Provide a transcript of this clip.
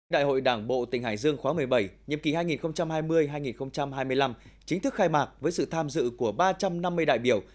đại hội đảng bộ tỉnh hải dương khóa một mươi bảy nhiệm kỳ hai nghìn hai mươi hai nghìn hai mươi năm chính thức khai mạc với sự tham dự của ba trăm năm mươi đại biểu